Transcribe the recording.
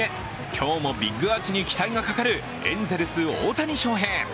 今日もビッグアーチに期待がかかるエンゼルス・大谷翔平。